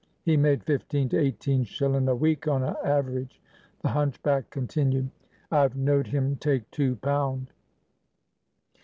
He made fifteen to eighteen shillin' a week on a average," the hunchback continued. "I've knowed him take two pound."